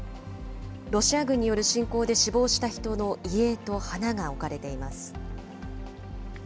ロシア軍による侵攻で死亡した人の遺影と花が置かれています。